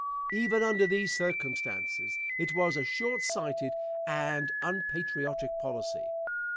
Even under those circumstances it was a short sighted and unpatriotic policy.